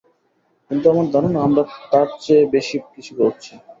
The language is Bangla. কিন্তু আমার ধারণা আমরা তার চেয়ে বেশি কিছু করছি।